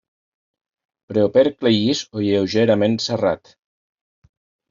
Preopercle llis o lleugerament serrat.